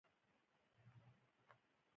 اقتصاد مو خراب دی